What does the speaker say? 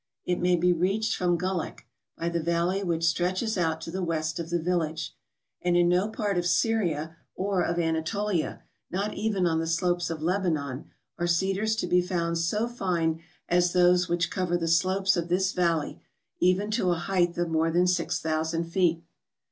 It may be reached from Gullek, by the valley which stretches out to the west of the village; ^d in no part of Syria or of Anatolia, not even on the slopes of Lebanon, are cedars to be found so fine as those which cover the slopes of this valley even to a height of more than 6000 feet.